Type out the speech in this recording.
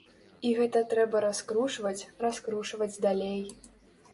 І гэта трэба раскручваць, раскручваць далей.